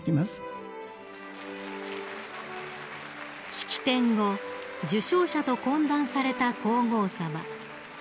［式典後受章者と懇談された皇后さま］